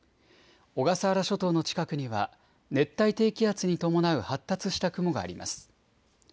小笠原諸島の近くには熱帯低気圧に伴う発達した雲があります。